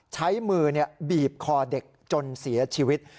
ใช้มือบีบคอเด็กจนเสียชีวิต